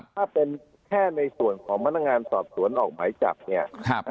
ถ้าเป็นแค่ในส่วนของพนักงานสอบสวนออกหมายจับเนี่ย